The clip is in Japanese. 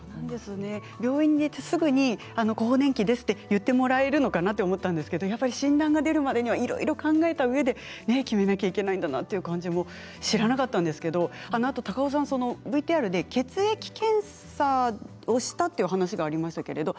病院に行ってすぐに更年期ですと言ってもらえるのかなと思ったんですけれど診断が出るまでにはいろいろ考えたうえで決めなくてはいけないかなという感じも知らなかったんですけれどあのあと、高尾さん血液検査もしたという話がありました。